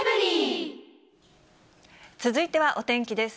続いてはお天気です。